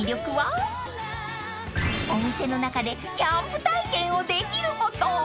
［お店の中でキャンプ体験をできること］